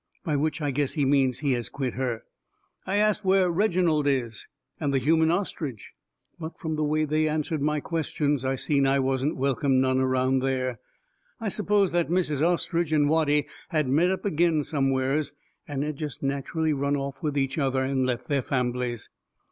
By which I guess he means he has quit her. I ast where Reginald is, and the Human Ostrich. But from the way they answered my questions I seen I wasn't welcome none around there. I suppose that Mrs. Ostrich and Watty had met up agin somewheres, and had jest natcherally run off with each other and left their famblies.